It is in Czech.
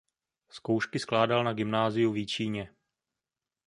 Zkoušky skládal na gymnáziu v Jičíně.